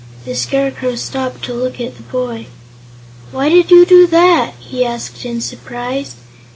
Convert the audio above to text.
The Scarecrow stopped to look at the boy. "Why did you do that?" he asked in surprise.